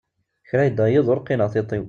Kra yekka yiḍ, ur qqineɣ tiṭ-iw.